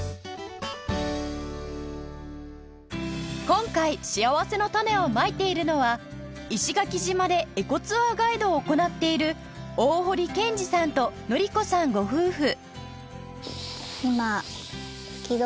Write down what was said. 今回しあわせのたねをまいているのは石垣島でエコツアーガイドを行っている大堀健司さんと則子さんご夫婦